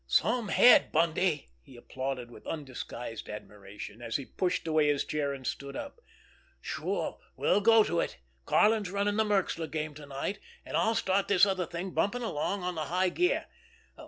"Some head, Bundy!" he applauded with undisguised admiration, as he pushed away his chair and stood up. "Sure, we'll go to it! Karlin's running the Merxler game to night; but I'll start this other thing bumping along on the high gear.